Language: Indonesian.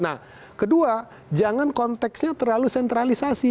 nah kedua jangan konteksnya terlalu sentralisasi